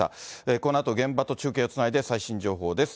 このあと、現場と中継をつないで最新情報です。